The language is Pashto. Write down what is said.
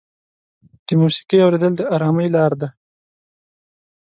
د موسیقۍ اورېدل د ارامۍ لاره ده.